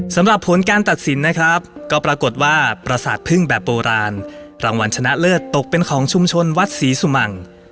สำหรับผลการตัดสินนะครับก็ปรากฏว่าประสาทพึ่งแบบโบราณรางวัลชนะเลิศตกเป็นของชุมชนวัดศรีสุมัง